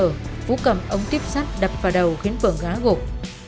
lợi dụng lúc chị phượng sơ hở vũ cầm ống tiếp sắt đập vào đầu khiến phượng gá gột